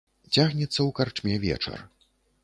Цягнецца ў карчме вечар.